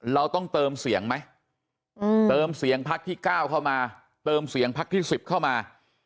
เราต้องเติมเสียงไหมเติมเสียงพักที่๙เข้ามาเติมเสียงพักที่๑๐เข้ามา